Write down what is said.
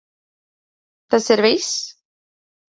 Tas ir viss?